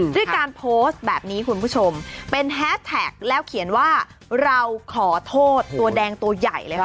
ด้วยการโพสต์แบบนี้คุณผู้ชมเป็นแฮสแท็กแล้วเขียนว่าเราขอโทษตัวแดงตัวใหญ่เลยค่ะ